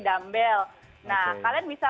dambel nah kalian bisa